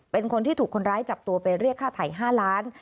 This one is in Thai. เป็นคนที่ถูกคนร้ายจับตัวไปเรียกค่าไถ่๕ล้าน